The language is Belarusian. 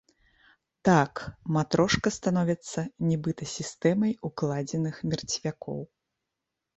Так, матрошка становіцца нібыта сістэмай укладзеных мерцвякоў.